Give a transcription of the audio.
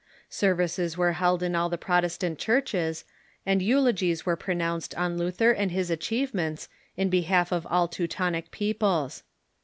Services were held in all the Protestant churches, and eulogies were pro nounced on Luther and his achievements in behalf of all Teu tonic peoples.